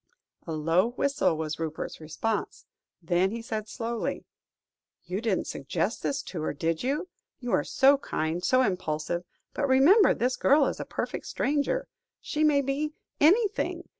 A low whistle was Rupert's response, then he said slowly "You didn't suggest this to her, did you? You are so kind, so impulsive, but, remember this girl is a perfect stranger. She may be anything.